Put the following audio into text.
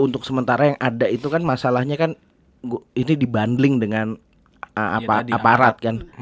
untuk sementara yang ada itu kan masalahnya kan ini dibanding dengan aparat kan